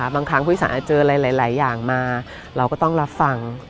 บางครั้งผู้โดยสารเจออะไรหลายอย่างมาเราก็ต้องรับฟัง